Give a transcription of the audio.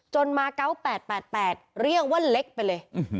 จนมาเก้า๘๘๘เรี่ยงว่าเล็กไปเลย